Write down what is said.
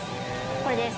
これです